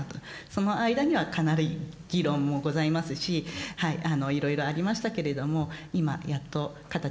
その間にはかなり議論もございますしはいいろいろありましたけれども今やっと形になってきてるかな